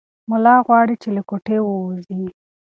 ملا غواړي چې له کوټې ووځي.